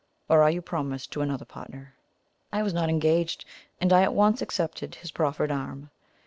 or are you promised to another partner?" I was not engaged, and I at once accepted his proffered arm.